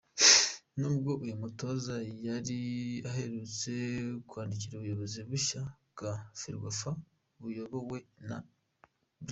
Nubwo uyu mutoza yari aherutse kwandikira ubuyobozi bushya bwa Ferwafa buyobowe na Brig.